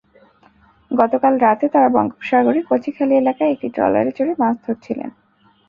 গতকাল রাতে তাঁরা বঙ্গোপসাগরে কচিখালী এলাকায় একটি ট্রলারে চড়ে মাছ ধরছিলেন।